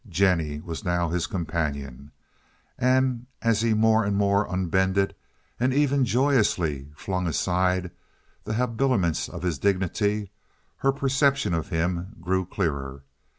Jennie was his companion now, and as he more and more unbended, and even joyously flung aside the habiliments of his dignity, her perception of him grew clearer.